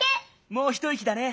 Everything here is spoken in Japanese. もうひといきだね。